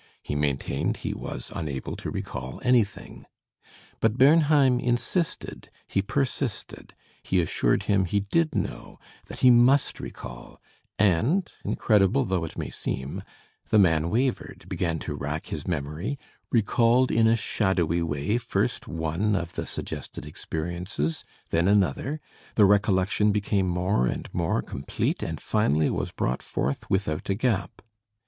He maintained he was unable to recall anything. But Bernheim insisted, he persisted, he assured him he did know, that he must recall, and, incredible though it may seem, the man wavered, began to rack his memory, recalled in a shadowy way first one of the suggested experiences, then another; the recollection became more and more complete and finally was brought forth without a gap.